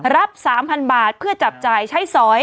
รับ๓๐๐๐บาทเพื่อจับจ่ายใช้สอย